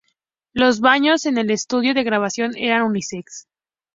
Los baños en el estudio de grabación eran unisex.